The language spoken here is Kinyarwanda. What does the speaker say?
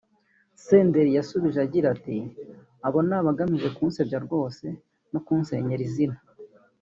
Senderi yasubije agira ati “Abo ni abagamije kunsebya rwose no kunsenyera izina